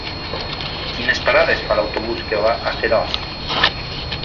Quines parades fa l'autobús que va a Seròs?